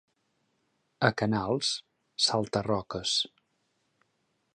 A Canals: salta-roques.